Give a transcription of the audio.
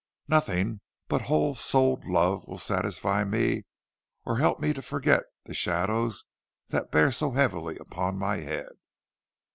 Nothing but whole souled love will satisfy me or help me to forget the shadows that bear so heavily upon my head.